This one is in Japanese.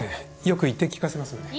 よく言って聞かせますので。